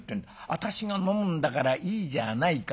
私が飲むんだからいいじゃないか。